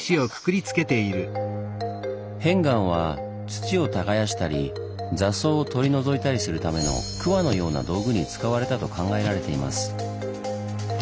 片岩は土を耕したり雑草を取り除いたりするためのくわのような道具に使われたと考えられています。